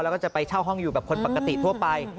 แล้วก็จะไปเช่าห้องอยู่แบบคนปกติทั่วไป